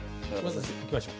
いきましょう。